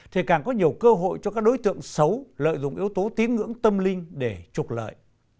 thì càng có nhiều cơ hội cho các đối tượng xấu lợi dụng yếu tố tín ngưỡng tâm linh để trục lợi